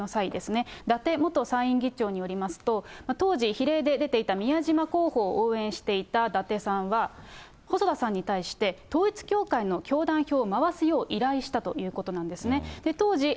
番組でも何度か紹介しましたが、２０１６年の参院選の際ですね、伊達元参院議長によりますと、当時、比例で出ていた宮島候補を応援していた伊達さんは、細田さんに対して、統一教会の教団票を回すよう依頼したということなんですね。